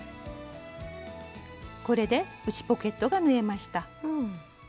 これで内ポケットが縫えました。